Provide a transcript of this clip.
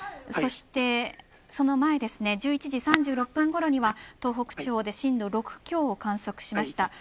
そしてその前１１時３６分ごろに東北地方で震度６強を観測しました。